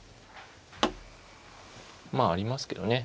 まあありますけどね。